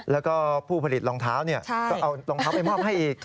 แล้วก็ผู้ผลิตรองเท้าก็เอารองเท้าไปมอบให้อีก